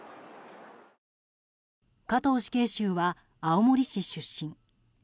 加藤死刑囚は青森市出身。